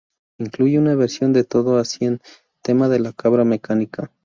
Incluye una versión de "Todo A Cien", tema de La Cabra Mecánica.